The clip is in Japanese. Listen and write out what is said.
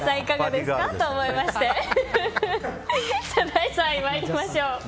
第３位、参りましょう。